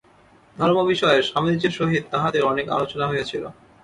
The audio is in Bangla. ধর্মবিষয়ে স্বামীজীর সহিত তাঁহাদের অনেক আলোচনা হইয়াছিল।